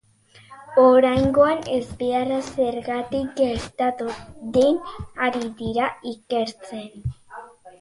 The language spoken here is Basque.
Oraingoz, ezbeharra zergatik gertatu den ari dira ikertzen.